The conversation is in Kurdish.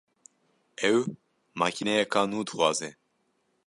Ew makîneyeka nû dixwaze